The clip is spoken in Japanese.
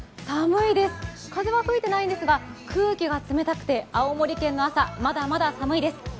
寒いです、風は吹いてないんですが空気が冷たくて青森県の朝、まだまだ寒いです。